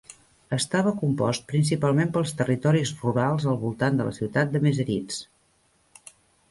Estava compost principalment pels territoris rurals al voltant de la ciutat de Meseritz.